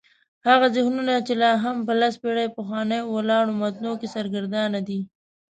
هغه ذهنونه چې لا هم په لس پېړۍ پخوانیو ولاړو متونو کې سرګردانه دي.